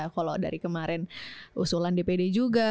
kalau dari kemarin usulan dpd juga